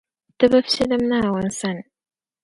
Ti bi fiɛlim Naawuni sani.